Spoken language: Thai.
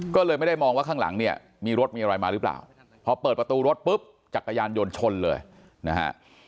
ก็เลยไม่ได้มองว่าข้างหลังเนี่ยมีรถมีอะไรมาหรือเปล่าพอเปิดประตูรถปุ๊บจักรยานยนต์ชนเลยนะฮะ